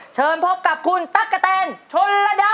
เชิญพบกับคุณตั๊กกะแตนชนระดา